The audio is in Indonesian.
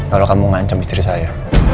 kalau kamu ngancam istri saya